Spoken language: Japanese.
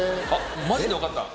マジでわかった。